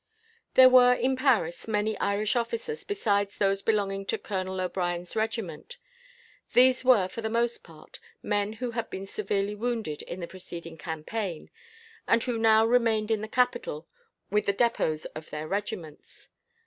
There were, in Paris, many Irish officers besides those belonging to Colonel O'Brien's regiment. These were, for the most part, men who had been severely wounded in the preceding campaign, and who now remained in the capital with the depots of their regiments.